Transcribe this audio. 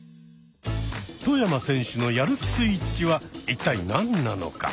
外山選手のやる気スイッチは一体何なのか？